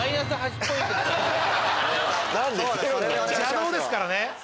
邪道ですからね。